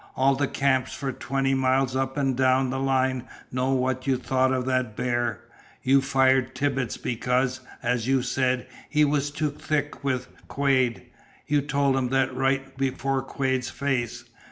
All the camps for twenty miles up and down the line know what you thought of that bear. You fired Tibbits because, as you said, he was too thick with Quade. You told him that right before Quade's face.